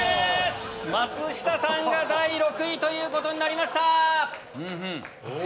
松下さんが第６位ということになりました。